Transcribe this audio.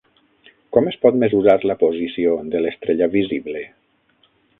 Com es pot mesurar la posició de l'estrella visible?